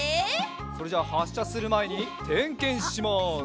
それじゃあはっしゃするまえにてんけんします。